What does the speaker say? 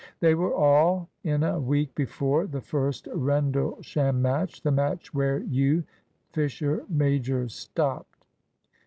"They were all in a week before the first Rendlesham match, the match where you " Fisher major stopped.